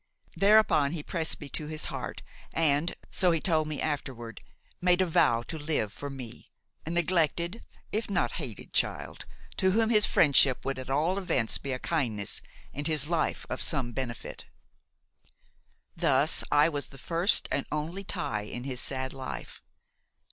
Thereupon he pressed me to his heart and, so he told me afterward, made a vow to live for me, a neglected if not hated child, to whom his friendship would at all events be a kindness and his life of some benefit. Thus I was the first and only tie in his sad life.